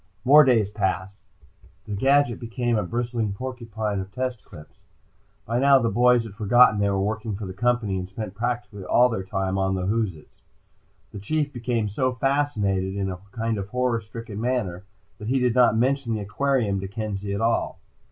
More days passed. The gadget became a bristling porcupine of test clips. By now the boys had forgotten they were working for the Company and spent practically all their time on the whoozits. The Chief became so fascinated, in a kind of horror stricken manner, that he did not mention the aquarium to Kenzie at all.